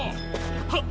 はっ！